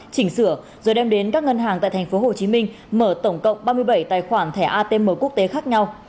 chỉnh sửa rồi đem đến các ngân hàng tại tp hcm mở tổng cộng ba mươi bảy tài khoản thẻ atm quốc tế khác nhau